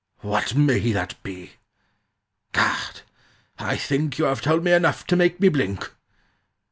What may that be? Gad, I think You have told me enough to make me blink!